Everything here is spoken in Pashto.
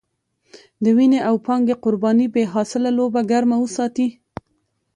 د وينې او پانګې قربانۍ بې حاصله لوبه ګرمه وساتي.